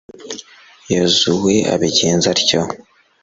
yozuwe abigenza atyo